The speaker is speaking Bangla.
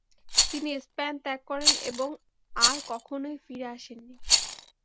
তিনি স্পেন ত্যাগ করেন এবং আর কখনই ফিরে আসেননি।